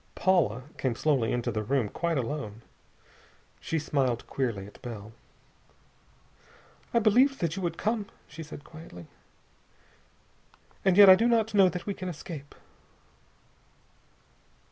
Paula came slowly into the room quite alone. She smiled queerly at Bell. "I believed that you would come," she said quietly. "And yet I do not know that we can escape."